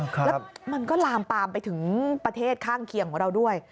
แล้วมันก็ลามปามไปถึงประเทศข้างเคียงของเราด้วย